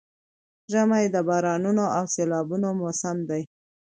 ژمی د بارانونو او سيلابونو موسم دی؛